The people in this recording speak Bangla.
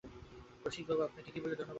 রসিকবাবু, আপনাকে কী বলে ধন্যবাদ জানাব?